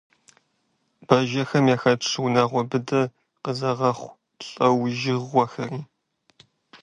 Бэжэхэм яхэтщ унагъуэ быдэ къэзыгъэхъу лӏэужьыгъуэхэри.